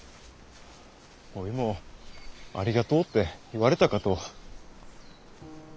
おいも「ありがとう」って言われたかと。